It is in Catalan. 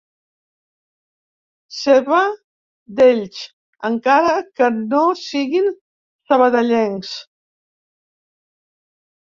Seva, d'ells, encara que no siguin sabadellencs.